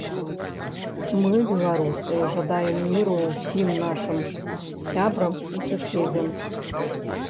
Мы, беларусы, жадаем міру ўсім нашым сябрам і суседзям.